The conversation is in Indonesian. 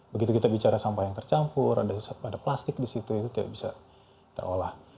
begitu kita bicara sampah yang tercampur ada plastik di situ itu tidak bisa terolah